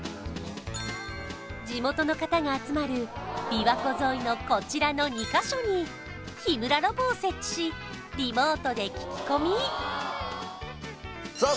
地元の方が集まる琵琶湖沿いのこちらの２カ所に日村ロボを設置しリモートで聞き込みさあ